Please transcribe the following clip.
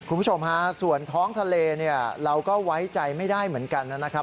คุณผู้ชมฮะส่วนท้องทะเลเนี่ยเราก็ไว้ใจไม่ได้เหมือนกันนะครับ